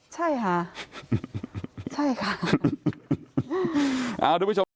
ใช่ค่ะใช่ค่ะ